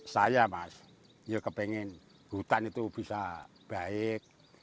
saya mas ya kepengen hutan itu bisa baik